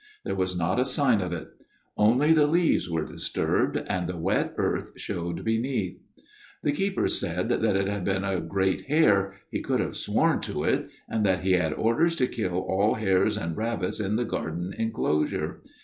There was not a sign of it. Only the leaves were disturbed, and the wet earth showed beneath. " The keeper said that it had been a great hare ; he could have sworn to it ; and that he had orders to kill all hares and rabbits in the garden enclosure.